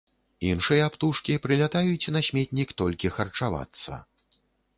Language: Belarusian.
Іншыя птушкі прылятаюць на сметнік толькі харчавацца.